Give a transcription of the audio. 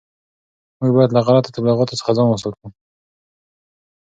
موږ باید له غلطو تبلیغاتو څخه ځان وساتو.